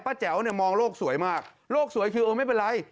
ป้าแจ๋วมองโลกสวยมากโลกสวยคือไม่เป็นไร